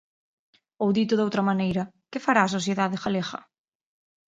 Ou, dito doutra maneira, que fará a sociedade galega?